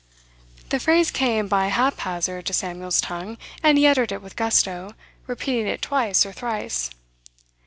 The phrase came by haphazard to Samuel's tongue, and he uttered it with gusto, repeating it twice or thrice.